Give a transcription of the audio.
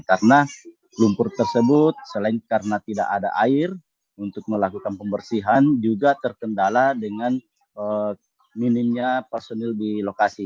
karena lumpur tersebut selain karena tidak ada air untuk melakukan pembersihan juga terkendala dengan minimnya personil di lokasi